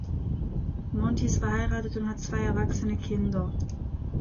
Monti ist verheiratet und hat zwei erwachsene Kinder.